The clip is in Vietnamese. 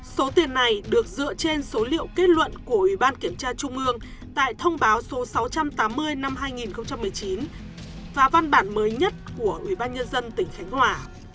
số tiền này được dựa trên số liệu kết luận của ủy ban kiểm tra trung ương tại thông báo số sáu trăm tám mươi năm hai nghìn một mươi chín và văn bản mới nhất của ủy ban nhân dân tỉnh khánh hòa